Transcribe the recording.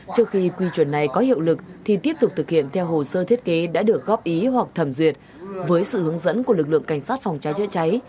trước khi quy chuẩn này có hiệu lực thì tiếp tục thực hiện theo hồ sơ thiết kế đã được góp ý hoặc thẩm duyệt với sự hướng dẫn của lực lượng cảnh sát phòng cháy chữa cháy